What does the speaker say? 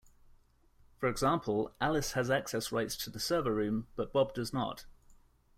For example, Alice has access rights to the server room, but Bob does not.